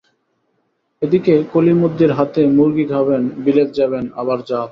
এ দিকে কলিমদ্দির হাতে মুর্গি খাবেন, বিলেত যাবেন, আবার জাত!